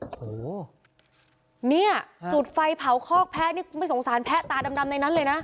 โอ้โหเนี่ยจุดไฟเผาคอกแพ้นี่ไม่สงสารแพ้ตาดำในนั้นเลยนะ